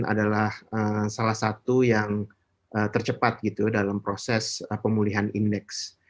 adalah salah satu yang tercepat gitu dalam proses pemulihan indeks